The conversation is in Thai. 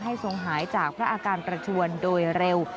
ทรงหายจากพระอาการประชวนโดยเร็ว